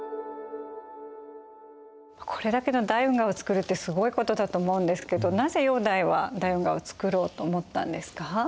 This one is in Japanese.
これだけの大運河をつくるってすごいことだと思うんですけどなぜ煬帝は大運河をつくろうと思ったんですか？